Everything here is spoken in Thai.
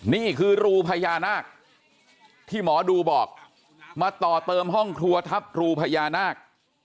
นี่คือรูพญานาคที่หมอดูบอกมาต่อเติมห้องครัวทับรูพญานาค